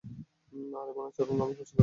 আর এমন আচরণ আমি পছন্দ করিনা।